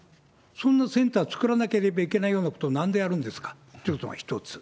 そんなセンター作らなければいけないようなことをなんでやるんですか？ということが１つ。